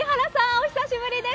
お久しぶりです。